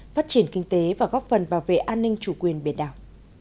phát triển kinh tế và góp phần bảo vệ an ninh chủ quyền biển đảo